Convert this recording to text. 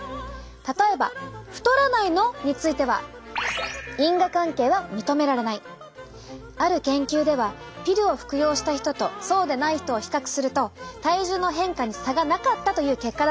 例えば「太らないの？」についてはある研究ではピルを服用した人とそうでない人を比較すると体重の変化に差がなかったという結果だったんです。